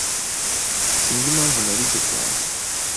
Sinzi impamvu narize cyane.